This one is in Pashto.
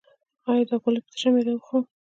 ایا دا ګولۍ په تشه معده وخورم؟